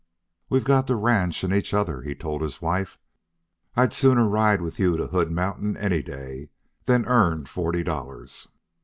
"We've got the ranch and each other," he told his wife, "and I'd sooner ride with you to Hood Mountain any day than earn forty dollars.